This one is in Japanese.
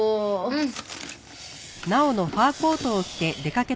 うん。